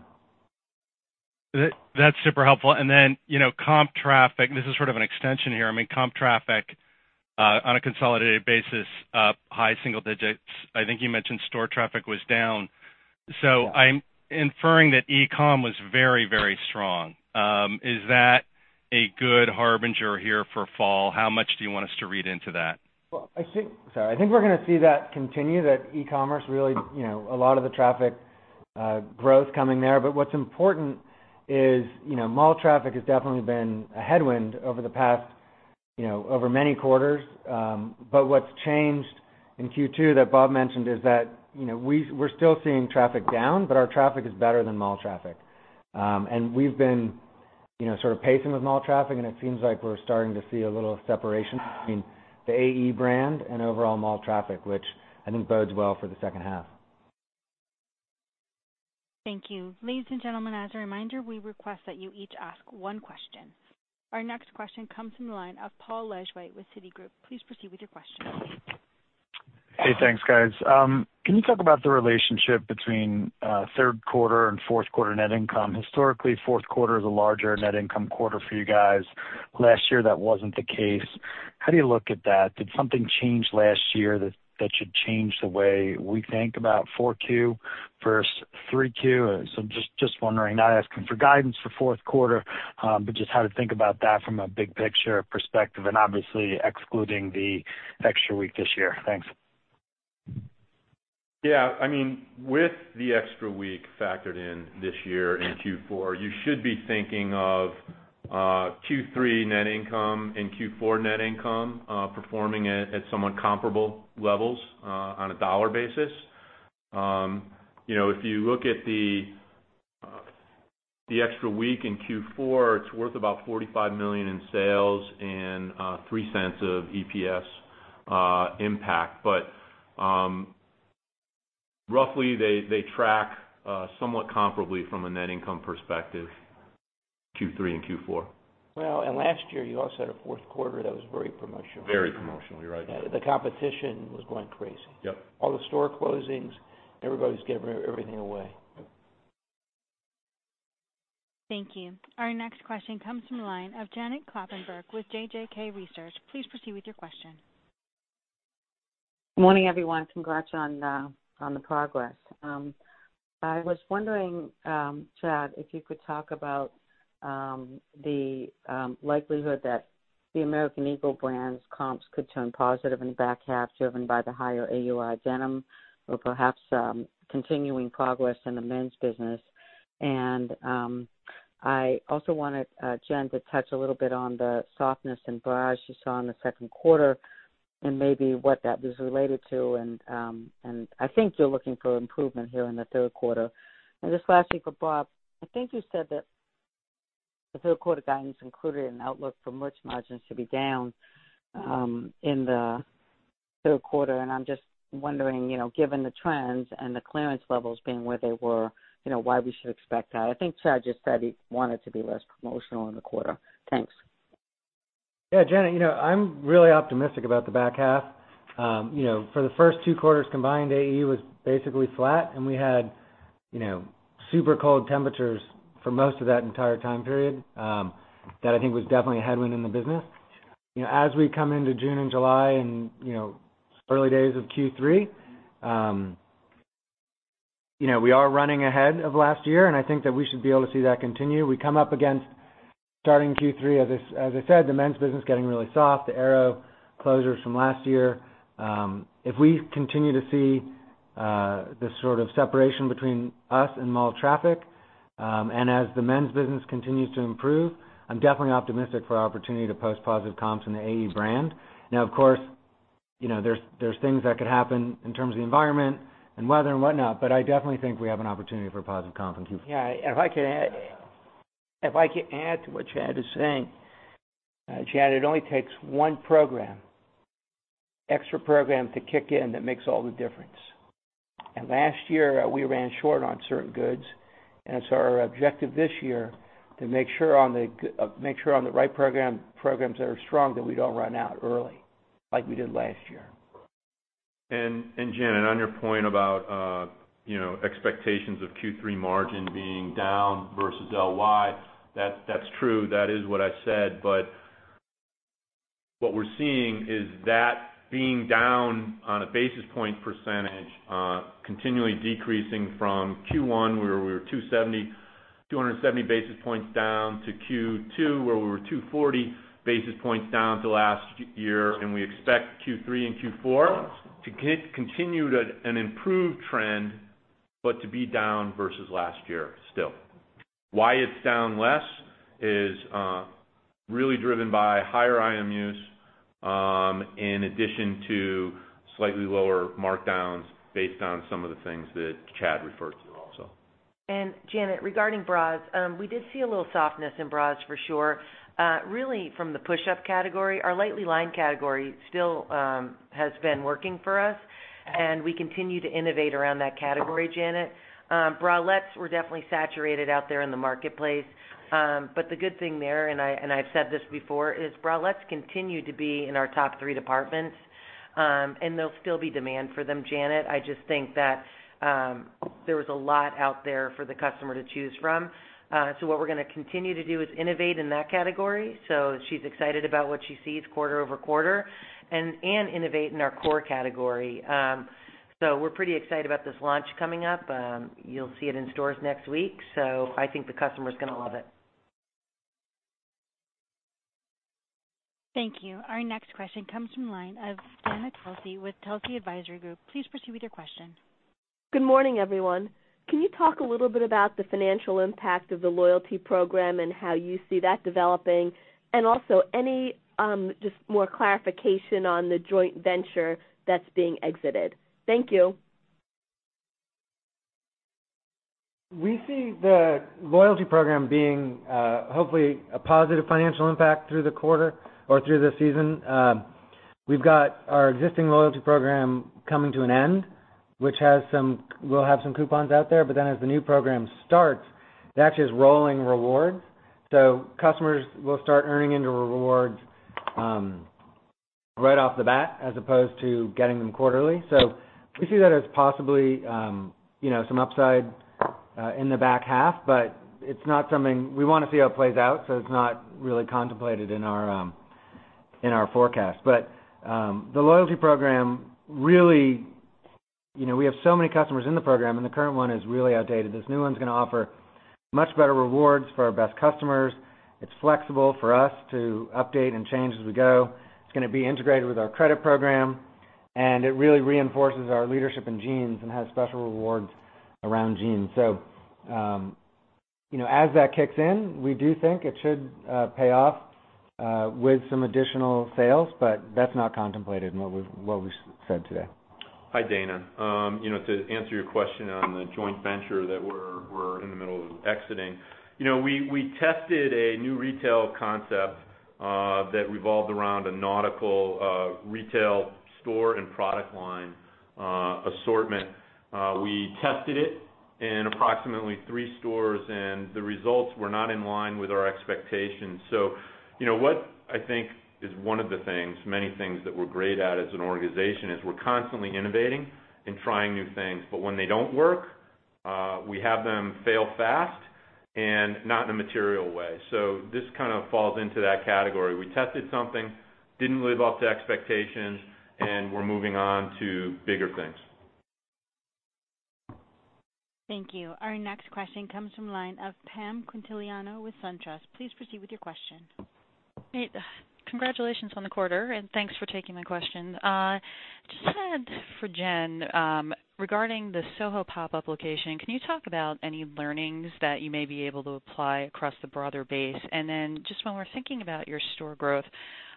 Speaker 13: That's super helpful. Comp traffic, this is sort of an extension here. Comp traffic on a consolidated basis up high single digits. I think you mentioned store traffic was down.
Speaker 4: Yeah.
Speaker 13: I'm inferring that e-com was very strong. Is that a good harbinger here for fall? How much do you want us to read into that?
Speaker 4: I think we're going to see that continue, that e-commerce really, a lot of the traffic growth coming there. What's important is mall traffic has definitely been a headwind over many quarters. What's changed in Q2 that Bob mentioned is that we're still seeing traffic down, but our traffic is better than mall traffic. We've been sort of pacing with mall traffic, and it seems like we're starting to see a little separation between the AE brand and overall mall traffic, which I think bodes well for the second half.
Speaker 1: Thank you. Ladies and gentlemen, as a reminder, we request that you each ask one question. Our next question comes from the line of Paul Lejuez with Citigroup. Please proceed with your question.
Speaker 14: Hey, thanks guys. Can you talk about the relationship between third quarter and fourth quarter net income? Historically, fourth quarter is a larger net income quarter for you guys. Last year, that wasn't the case. How do you look at that? Did something change last year that should change the way we think about 4Q versus 3Q? Just wondering, not asking for guidance for fourth quarter. Just how to think about that from a big picture perspective and obviously excluding the extra week this year. Thanks.
Speaker 6: Yeah. With the extra week factored in this year in Q4, you should be thinking of Q3 net income and Q4 net income, performing at somewhat comparable levels on a dollar basis. If you look at the extra week in Q4, it's worth about $45 million in sales and $0.03 of EPS impact. Roughly, they track somewhat comparably from a net income perspective, Q3 and Q4.
Speaker 3: Well, last year you also had a fourth quarter that was very promotional.
Speaker 6: Very promotionally, right.
Speaker 3: The competition was going crazy.
Speaker 6: Yep.
Speaker 3: All the store closings, everybody's giving everything away.
Speaker 6: Yep.
Speaker 1: Thank you. Our next question comes from the line of Janet Kloppenburg with JJK Research. Please proceed with your question.
Speaker 15: Morning, everyone. Congrats on the progress. I was wondering, Chad, if you could talk about the likelihood that the American Eagle brands comps could turn positive in the back half driven by the higher AUR denim or perhaps continuing progress in the men's business. I also wanted Jen to touch a little bit on the softness in bras you saw in the second quarter and maybe what that was related to and I think you're looking for improvement here in the third quarter. Just lastly, for Bob, I think you said that the third quarter guidance included an outlook for merch margins to be down in the third quarter. And I'm just wondering, given the trends and the clearance levels being where they were, why we should expect that. I think Chad just said he wanted to be less promotional in the quarter. Thanks.
Speaker 4: Yeah, Janet, I'm really optimistic about the back half. For the first two quarters combined, AE was basically flat, and we had super cold temperatures for most of that entire time period. That I think was definitely a headwind in the business. As we come into June and July and early days of Q3, we are running ahead of last year, and I think that we should be able to see that continue. We come up against starting Q3, as I said, the men's business getting really soft, the Aero closures from last year. If we continue to see this sort of separation between us and mall traffic, and as the men's business continues to improve, I'm definitely optimistic for our opportunity to post positive comps in the AE brand. Of course, there's things that could happen in terms of the environment and weather and whatnot, I definitely think we have an opportunity for positive comps in Q4.
Speaker 3: Yeah, if I could add to what Chad is saying. Chad, it only takes one extra program to kick in that makes all the difference. Last year, we ran short on certain goods. Our objective this year to make sure on the right programs that are strong, that we don't run out early like we did last year.
Speaker 6: Janet, on your point about expectations of Q3 margin being down versus LY, that's true. That is what I said. What we're seeing is that being down on a basis point percentage, continually decreasing from Q1, where we were 270 basis points down to Q2, where we were 240 basis points down to last year. We expect Q3 and Q4 to continue at an improved trend, but to be down versus last year still. Why it's down less is really driven by higher IM use, in addition to slightly lower markdowns based on some of the things that Chad referred to also.
Speaker 5: Janet, regarding bras, we did see a little softness in bras for sure. Really from the push-up category. Our lightly lined category still has been working for us, and we continue to innovate around that category, Janet. Bralettes were definitely saturated out there in the marketplace. The good thing there, and I've said this before, is bralettes continue to be in our top three departments, and there'll still be demand for them, Janet. I just think that there was a lot out there for the customer to choose from. What we're going to continue to do is innovate in that category. She's excited about what she sees quarter-over-quarter, and innovate in our core category. We're pretty excited about this launch coming up. You'll see it in stores next week, so I think the customer's going to love it.
Speaker 1: Thank you. Our next question comes from the line of Dana Telsey with Telsey Advisory Group. Please proceed with your question.
Speaker 16: Good morning, everyone. Can you talk a little bit about the financial impact of the loyalty program and how you see that developing? Any just more clarification on the joint venture that's being exited. Thank you.
Speaker 4: We see the loyalty program being hopefully a positive financial impact through the quarter or through the season. We've got our existing loyalty program coming to an end, which we'll have some coupons out there. As the new program starts, that's just rolling rewards. Customers will start earning into rewards right off the bat as opposed to getting them quarterly. We see that as possibly some upside in the back half, but we want to see how it plays out, so it's not really contemplated in our forecast. The loyalty program, really, we have so many customers in the program, and the current one is really outdated. This new one's going to offer much better rewards for our best customers. It's flexible for us to update and change as we go. It's going to be integrated with our credit program, and it really reinforces our leadership in jeans and has special rewards around jeans. As that kicks in, we do think it should pay off with some additional sales, but that's not contemplated in what we said today.
Speaker 6: Hi, Dana. To answer your question on the joint venture that we're in the middle of exiting. We tested a new retail concept that revolved around a nautical retail store and product line assortment. We tested it in approximately three stores, and the results were not in line with our expectations. What I think is one of the things, many things that we're great at as an organization is we're constantly innovating and trying new things. When they don't work, we have them fail fast and not in a material way. This kind of falls into that category. We tested something, didn't live up to expectations, and we're moving on to bigger things.
Speaker 1: Thank you. Our next question comes from the line of Pam Quintiliano with SunTrust. Please proceed with your question.
Speaker 17: Hey. Congratulations on the quarter. Thanks for taking my question. Just had for Jen, regarding the Soho pop-up location, can you talk about any learnings that you may be able to apply across the broader base? Just when we're thinking about your store growth,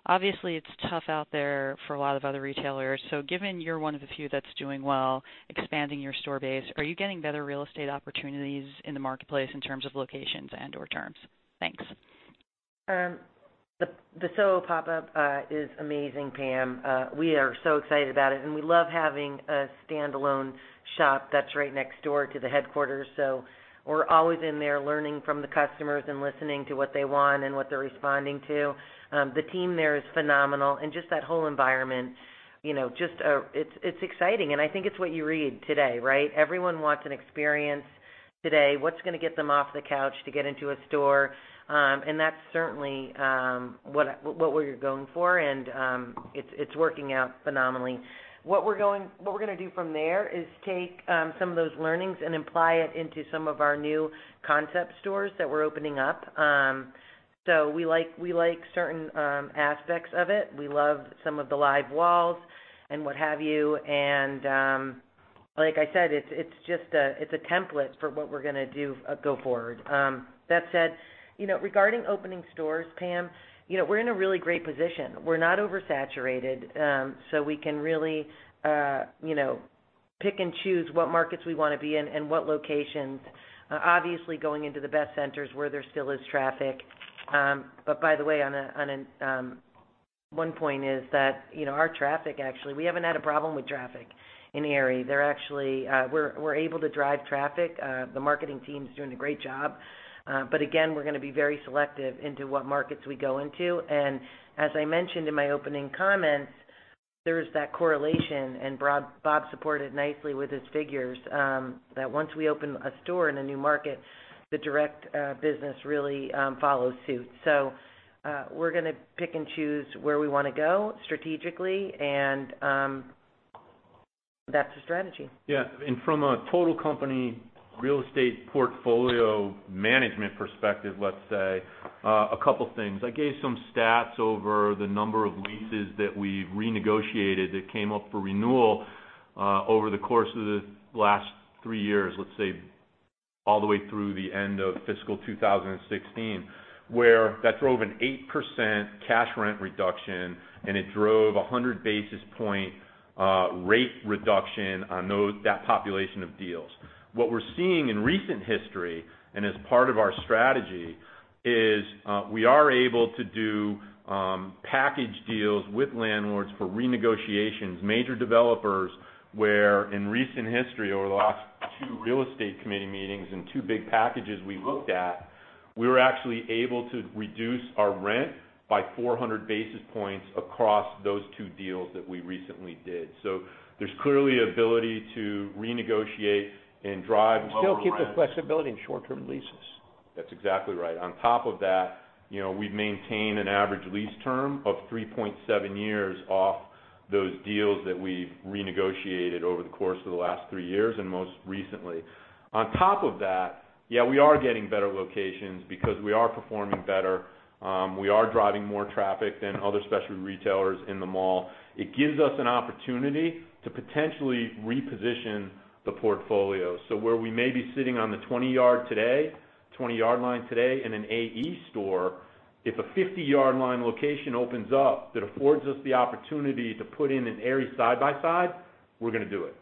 Speaker 17: obviously, it's tough out there for a lot of other retailers. Given you're one of the few that's doing well expanding your store base, are you getting better real estate opportunities in the marketplace in terms of locations and/or terms? Thanks.
Speaker 5: The Soho pop-up is amazing, Pam. We are so excited about it. We love having a standalone shop that's right next door to the headquarters. We're always in there learning from the customers and listening to what they want and what they're responding to. The team there is phenomenal. Just that whole environment, it's exciting. I think it's what you read today, right? Everyone wants an experience today. What's going to get them off the couch to get into a store? That's certainly what we're going for, and it's working out phenomenally. What we're going to do from there is take some of those learnings and apply it into some of our new concept stores that we're opening up. We like certain aspects of it. We love some of the live walls and what have you. Like I said, it's a template for what we're going to do go forward. That said, regarding opening stores, Pam, we're in a really great position. We're not oversaturated. We can really pick and choose what markets we want to be in and what locations. Obviously, going into the best centers where there still is traffic. By the way, one point is that our traffic, actually, we haven't had a problem with traffic in the Aerie. We're able to drive traffic. The marketing team's doing a great job. Again, we're going to be very selective into what markets we go into. As I mentioned in my opening comments, there is that correlation, and Bob supported nicely with his figures, that once we open a store in a new market, the direct business really follows suit. We're going to pick and choose where we want to go strategically and
Speaker 3: That's the strategy.
Speaker 6: From a total company real estate portfolio management perspective, let's say, a couple things. I gave some stats over the number of leases that we've renegotiated that came up for renewal over the course of the last three years, let's say, all the way through the end of fiscal 2016, where that drove an 8% cash rent reduction, and it drove a 100-basis point rate reduction on that population of deals. What we're seeing in recent history, and as part of our strategy, is we are able to do package deals with landlords for renegotiations, major developers, where, in recent history, over the last two real estate committee meetings and two big packages we looked at, we were actually able to reduce our rent by 400 basis points across those two deals that we recently did. There's clearly ability to renegotiate and drive lower rents.
Speaker 3: Still keep the flexibility in short-term leases.
Speaker 6: That's exactly right. On top of that, we've maintained an average lease term of 3.7 years off those deals that we've renegotiated over the course of the last three years, and most recently. On top of that, yeah, we are getting better locations because we are performing better. We are driving more traffic than other specialty retailers in the mall. It gives us an opportunity to potentially reposition the portfolio. Where we may be sitting on the 20 yard line today in an AE store, if a 50-yard line location opens up that affords us the opportunity to put in an Aerie side by side, we're going to do it.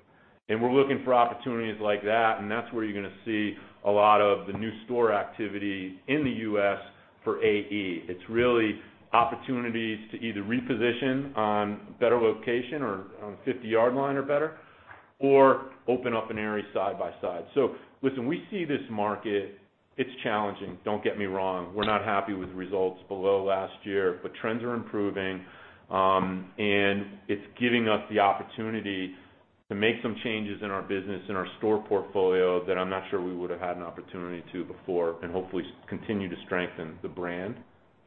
Speaker 6: We're looking for opportunities like that, and that's where you're going to see a lot of the new store activity in the U.S. for AE. It's really opportunities to either reposition on better location or on 50-yard line or better, or open up an Aerie side by side. Listen, we see this market. It's challenging. Don't get me wrong. We're not happy with results below last year. Trends are improving, and it's giving us the opportunity to make some changes in our business, in our store portfolio, that I'm not sure we would've had an opportunity to before, and hopefully continue to strengthen the brand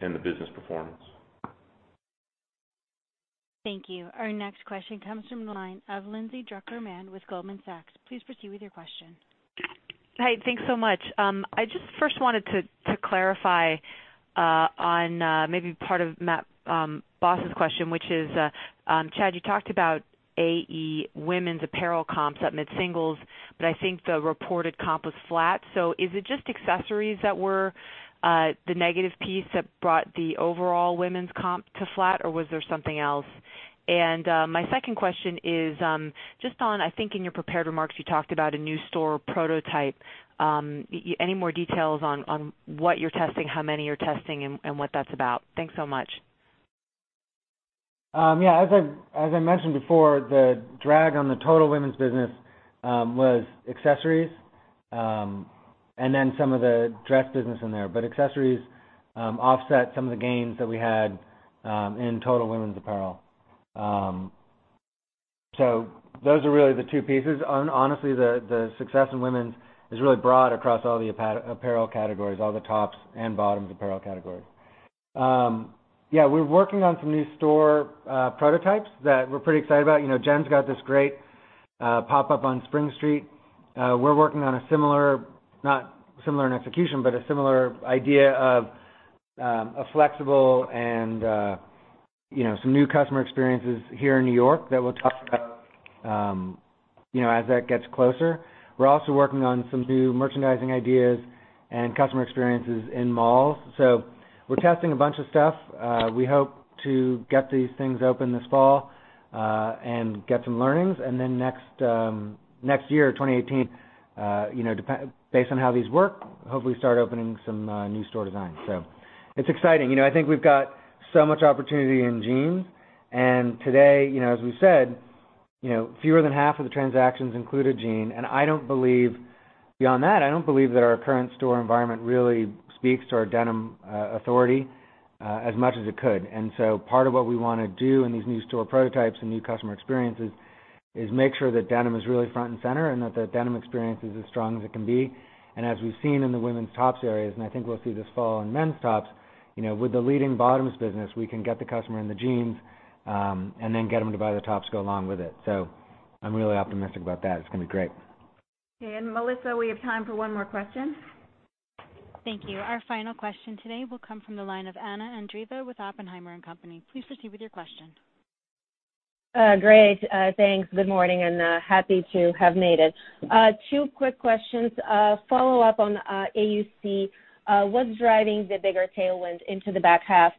Speaker 6: and the business performance.
Speaker 1: Thank you. Our next question comes from the line of Lindsay Drucker Mann with Goldman Sachs. Please proceed with your question.
Speaker 18: Hey, thanks so much. I just first wanted to clarify on maybe part of Matt Boss's question, which is, Chad, you talked about AE women's apparel comps up mid-singles, I think the reported comp was flat. Is it just accessories that were the negative piece that brought the overall women's comp to flat, or was there something else? My second question is just on, I think in your prepared remarks, you talked about a new store prototype. Any more details on what you're testing, how many you're testing, and what that's about? Thanks so much.
Speaker 4: Yeah. As I mentioned before, the drag on the total women's business was accessories, and then some of the dress business in there. Accessories offset some of the gains that we had in total women's apparel. Those are really the two pieces. Honestly, the success in women's is really broad across all the apparel categories, all the tops and bottoms apparel categories. Yeah, we're working on some new store prototypes that we're pretty excited about. Jen's got this great pop-up on Spring Street. We're working on a similar, not similar in execution, but a similar idea of a flexible and some new customer experiences here in New York that we'll talk about as that gets closer. We're also working on some new merchandising ideas and customer experiences in malls. We're testing a bunch of stuff. We hope to get these things open this fall, and get some learnings. Next year, 2018, based on how these work, hopefully start opening some new store designs. It's exciting. I think we've got so much opportunity in jeans, and today, as we said, fewer than half of the transactions include a jean, and beyond that, I don't believe that our current store environment really speaks to our denim authority as much as it could. Part of what we want to do in these new store prototypes and new customer experiences is make sure that denim is really front and center and that the denim experience is as strong as it can be. As we've seen in the women's tops areas, and I think we'll see this fall in men's tops, with the leading bottoms business, we can get the customer in the jeans, and then get them to buy the tops go along with it. I'm really optimistic about that. It's going to be great.
Speaker 3: Okay. Melissa, we have time for one more question.
Speaker 1: Thank you. Our final question today will come from the line of Anna Andreeva with Oppenheimer & Co. Inc. Please proceed with your question.
Speaker 19: Great. Thanks. Good morning. Happy to have made it. Two quick questions. Follow up on AUC. What's driving the bigger tailwind into the back half,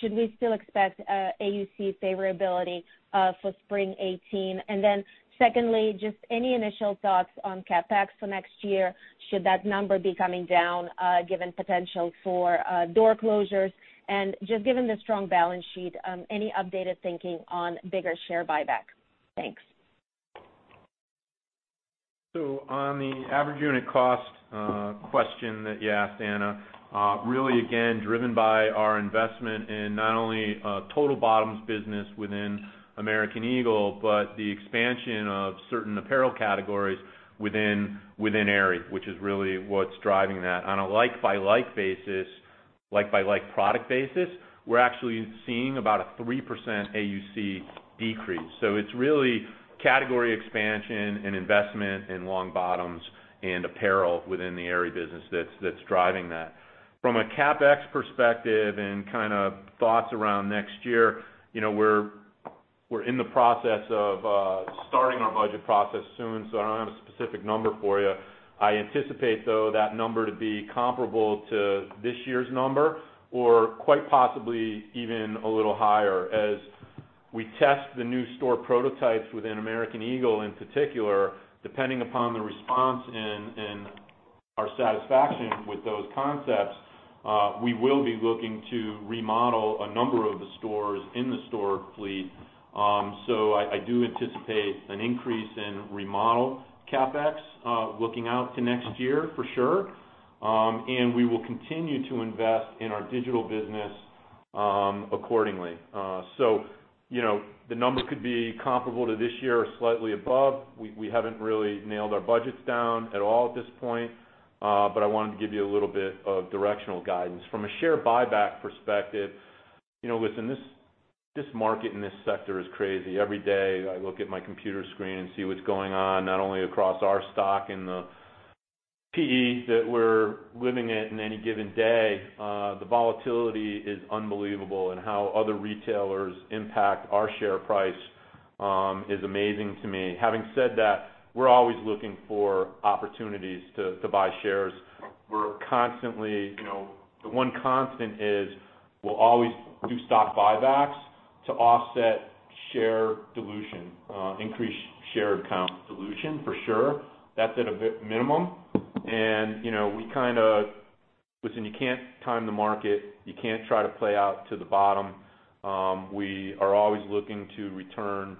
Speaker 19: should we still expect AUC favorability for spring 2018? Secondly, just any initial thoughts on CapEx for next year? Should that number be coming down given potential for door closures? Just given the strong balance sheet, any updated thinking on bigger share buyback? Thanks.
Speaker 6: On the average unit cost question that you asked, Anna, really again, driven by our investment in not only total bottoms business within American Eagle, but the expansion of certain apparel categories within Aerie, which is really what's driving that. On a like-by-like product basis, we're actually seeing about a 3% AUC decrease. It's really category expansion and investment in long bottoms and apparel within the Aerie business that's driving that. From a CapEx perspective and thoughts around next year, we're in the process of starting our budget process soon. I don't have a specific number for you. I anticipate, though, that number to be comparable to this year's number, or quite possibly even a little higher. As we test the new store prototypes within American Eagle, in particular, depending upon the response and our satisfaction with those concepts, we will be looking to remodel a number of the stores in the store fleet. I do anticipate an increase in remodel CapEx, looking out to next year for sure. We will continue to invest in our digital business, accordingly. The number could be comparable to this year or slightly above. We haven't really nailed our budgets down at all at this point. I wanted to give you a little bit of directional guidance. From a share buyback perspective, listen, this market and this sector is crazy. Every day, I look at my computer screen and see what's going on, not only across our stock and the P/E that we're living in in any given day. The volatility is unbelievable, and how other retailers impact our share price is amazing to me. Having said that, we're always looking for opportunities to buy shares. The one constant is we'll always do stock buybacks to offset share dilution, increased share count dilution, for sure. That's at a minimum. Listen, you can't time the market. You can't try to play out to the bottom. We are always looking to return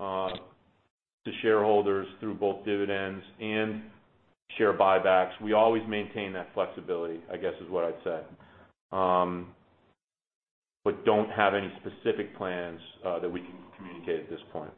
Speaker 6: to shareholders through both dividends and share buybacks. We always maintain that flexibility, I guess, is what I'd say. Don't have any specific plans that we can communicate at this point.